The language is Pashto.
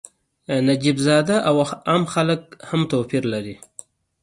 نجیب زاده او عام خلک هم توپیر لري.